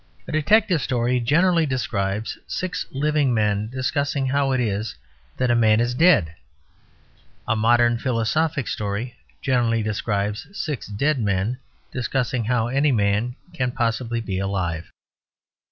A detective story generally describes six living men discussing how it is that a man is dead. A modern philosophic story generally describes six dead men discussing how any man can possibly be alive.